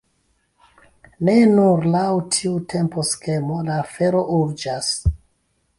Ne nur laŭ tiu temposkemo la afero urĝas.